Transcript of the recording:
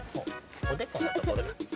おでこのところ。